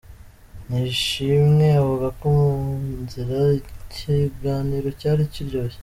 Nishimwe avuga ko mu nzira, ikiganiro cyari kiryoshye.